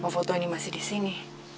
kenapa foto ini masih disini